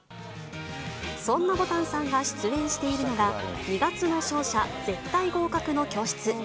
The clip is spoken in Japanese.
そんなぼたんさんが出演しているのが、二月の勝者・絶対合格の教室。